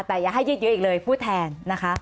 แต่อย่าให้ยืดเยอะอีกเลยผู้แทนนะคะ